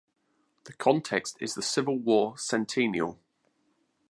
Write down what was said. The context is the Civil War Centennial.